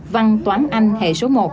văn toán anh hệ số một